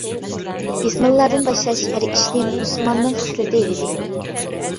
بىسمىللادىن باشلاش ھەر ئىشنى، مۇسۇلماننىڭ خىسلىتى دېدى.